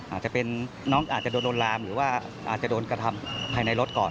อาจจะเป็นน้องอาจจะโดนโดนลามหรือว่าอาจจะโดนกระทำภายในรถก่อน